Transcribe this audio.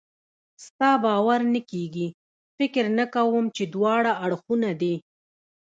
ستا باور نه کېږي؟ فکر نه کوم چې دواړه اړخونه دې.